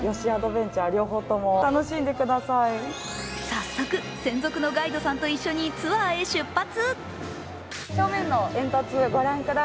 早速、専属のガイドさんと一緒にツアーへ出発。